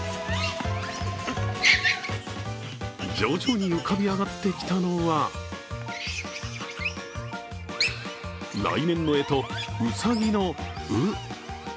徐々に浮かび上がってきたのは来年のえと、うさぎの「卯」。